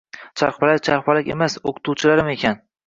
Charxpalak- charxpalak emas, o’qituvchilarim ekan!